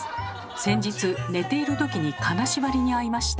先日寝ているときに金縛りに遭いました。